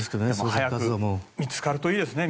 早く見つかるといいですね